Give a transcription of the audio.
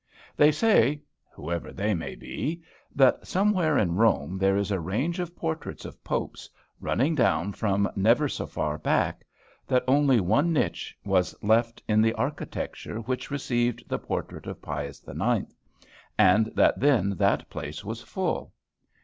"They say" (whoever they may be) that somewhere in Rome there is a range of portraits of popes, running down from never so far back; that only one niche was left in the architecture, which received the portrait of Pius IX., and that then that place was full.